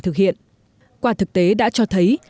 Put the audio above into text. thực hiện quả thực tế đã cho thấy